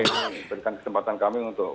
dengan kesempatan kami untuk